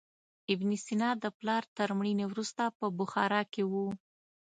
ابن سینا د پلار تر مړینې وروسته په بخارا کې و.